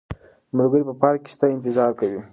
ملګري په پارک کې ستا انتظار کوي.